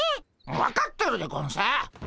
分かってるでゴンス。